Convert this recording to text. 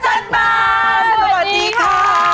สวัสดีค่ะ